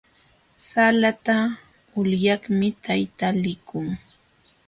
Salata ulyaqmi tayta likun.